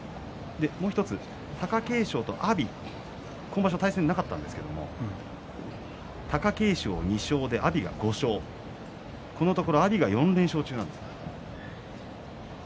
もう１つ貴景勝と阿炎今場所対戦がなかったんですけど貴景勝２勝で阿炎は５勝このところ、阿炎が４連勝中なんです。